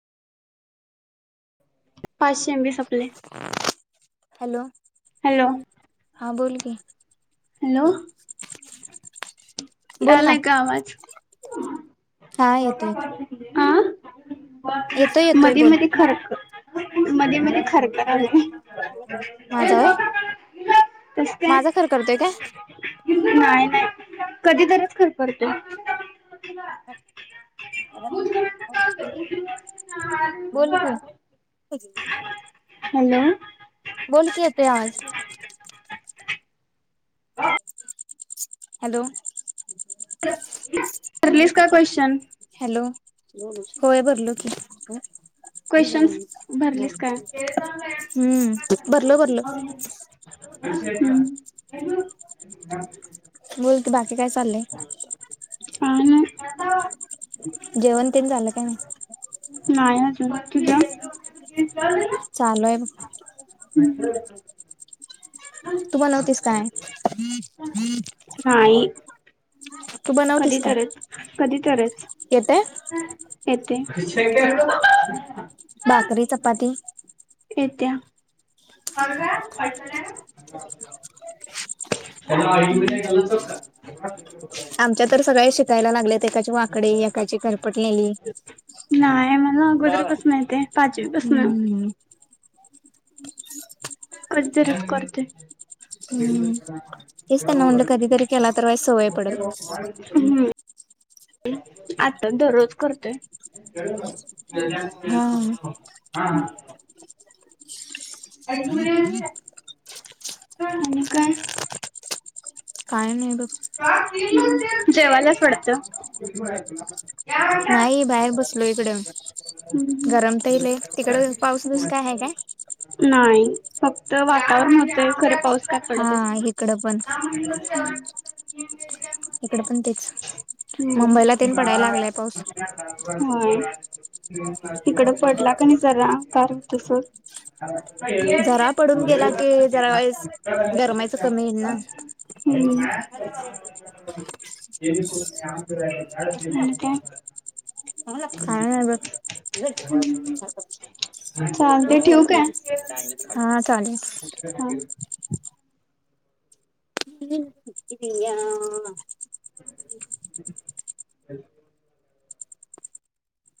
पाचशे M B संपले. Hello hello हां बोल की [inaudible] हॅलो बोल ना यालाय का आवाज? हा येतोय [unintelligible] येतोय येतोय मधी, बोल मधी खरक मधे, मधे खरखरलाय माझा होय [unintelligible] कस काय माझा खर करतोय काय [inaudible] नाइ, नाइ. [unintelligible] कधी तरच खरखरतोय. बोल की हॅलो बोल कि येतोय आवाज. हॅलो भरलीस का क्वेश्चन? हॅलो होय भरलो कि. क्वेश्चन्स भरलीस काय? हम्म भरलो भरलो बोल बाळ काय चाललंय? हा न जेवण तेन झालं का नाय? तुझ? चालुय बग. हु, हु तुम्हा नव्हतीस काय नाई. तू बनवतीस कधी काय तरच, कधी तरच. येतय येेते. बाकरी चपाती येत्या. त्याला हम्म आईमध्ये घालच का? [unintelligible] आमच्या तर सगळ्या शिक प्यायला लागलेत. एकाची वाकडी एकाची खरपटलेली नाहीय मला अगोदर पासन येतय पाचवीपासन. हम्म [inaudible] कधी तरच करतोय. हम्म तेच त्यांना म्हणलं कधीतरी केला तर सवय पडेल [unintelligible] हु आता दररोज करतेय म हा हा हा अकड काय काय नाही बघ जेवालाच पडत नाही बाहेर बसलो इकडे गरम तईल तिकड पाऊस दिस काय आहे काय नाही फक्त वातावरण होत खरे पाऊस काय पडतस हा इकडं पण ह इकडं पण तेच, मुंबईला हम्म तरी पडायला लागलाय पाऊस. होय. इकडं पडला की नाही जरा, कार तसं जरा पडून गेला की जरा वेळेस गरमायचं कमी येईल ना? हं [unintelligible] खा बस [inaudible] हा [unintelligible] अच्छा [unintelligible] हया अच